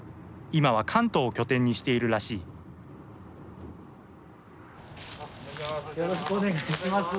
今は関東を拠点にしているらしいお願いします。